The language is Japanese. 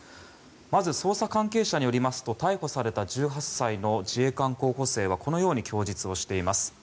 まず捜査関係者によりますと逮捕された、１８歳の自衛官候補生はこのように供述しています。